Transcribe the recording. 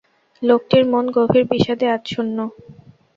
লোকটির মন গভীর বিষাদে আচ্ছান্ন।